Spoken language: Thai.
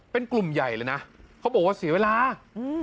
เป็นกลุ่มใหญ่เลยนะเขาบอกว่าเสียเวลาอืม